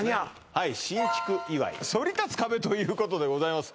はい新築祝い「そり立つ壁」ということでございます